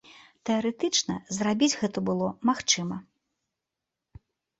Тэарэтычна, зрабіць гэта было магчыма.